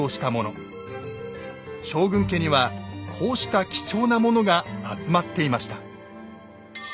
将軍家にはこうした貴重なものが集まっていました。